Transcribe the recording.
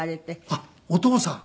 あっお父さん？